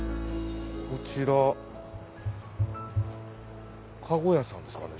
こちら籠屋さんですかね？